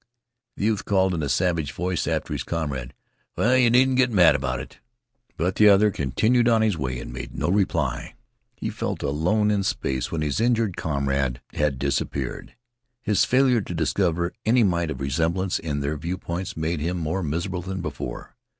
The youth called in a savage voice after his comrade: "Well, you needn't git mad about it!" But the other continued on his way and made no reply. He felt alone in space when his injured comrade had disappeared. His failure to discover any mite of resemblance in their view points made him more miserable than before.